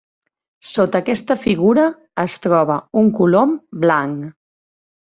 Sota aquesta figura es troba un colom blanc.